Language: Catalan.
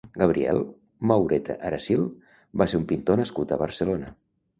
Gabriel Maureta Aracil va ser un pintor nascut a Barcelona.